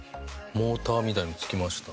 モーターみたいなの付きました。